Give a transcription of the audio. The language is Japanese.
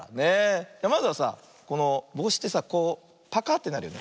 まずはさあこのぼうしってさこうパカッてなるよね。